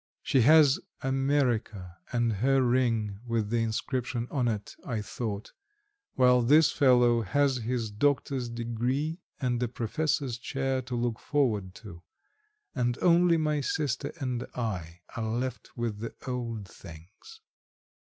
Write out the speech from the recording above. She has America and her ring with the inscription on it, I thought, while this fellow has his doctor's degree and a professor's chair to look forward to, and only my sister and I are left with the old things.